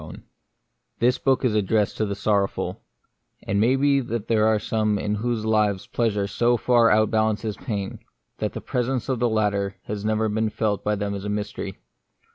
THE MYSTERY OF PAIN, CHAPTER L / "T"*HIS book is addressed to the sorrowful, It may be there are some in whose lives pleasure so far overbalances pain, that the presence of the latter has never been felt by them as a mystery.